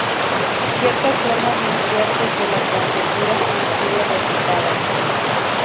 Ciertas formas más fuertes de la conjetura han sido refutadas.